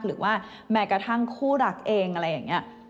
หรือว่าแม้กระทั่งคู่รักเองอะไรอย่างนี้